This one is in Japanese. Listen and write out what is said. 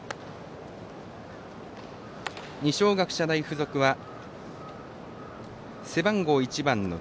二松学舎大付属は背番号１番の辻。